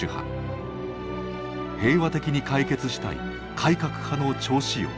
平和的に解決したい改革派の趙紫陽。